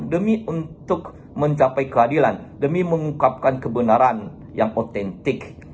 demi untuk mencapai keadilan demi mengungkapkan kebenaran yang otentik